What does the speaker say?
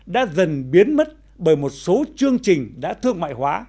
đã dần biến mất bởi một số chương trình đã thương mại hóa